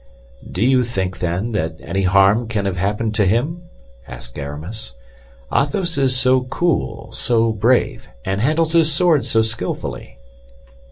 "Do you think, then, that any harm can have happened to him?" asked Aramis. "Athos is so cool, so brave, and handles his sword so skillfully."